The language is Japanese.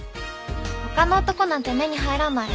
他の男なんて目に入らない。